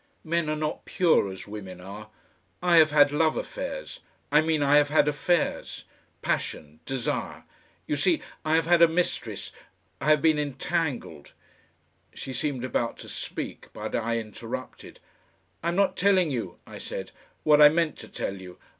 Men are not pure as women are. I have had love affairs. I mean I have had affairs. Passion desire. You see, I have had a mistress, I have been entangled " She seemed about to speak, but I interrupted. "I'm not telling you," I said, "what I meant to tell you.